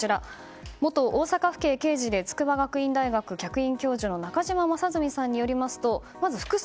元大阪府警刑事で筑波学院大学客員教授の中島正純さんによりますとまずは服装。